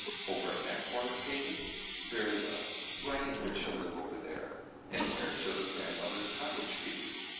'Over in that corner,' Katie? Very well, Riding Hood shall live over there. And where shall the grandmother's cottage be?"